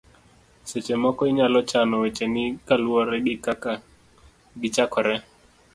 seche moko inyalo chano wecheni kaluwore gi kaka ne gichakore